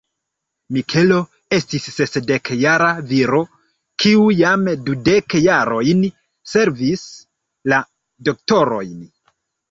Mikelo estis sesdekjara viro, kiu jam dudek jarojn servis la doktoron.